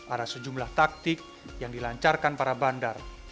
ada sejumlah taktik yang dilancarkan para bandar